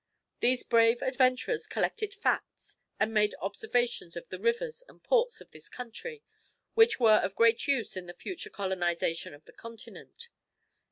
These brave adventurers collected facts, and made observations of the rivers and ports of this country which were of great use in the future colonization of the continent.